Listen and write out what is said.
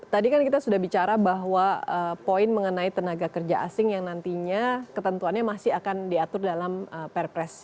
tadi kan kita sudah bicara bahwa poin mengenai tenaga kerja asing yang nantinya ketentuannya masih akan diatur dalam perpres